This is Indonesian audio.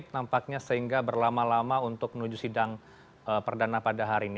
nampaknya sehingga berlama lama untuk menuju sidang perdana pada hari ini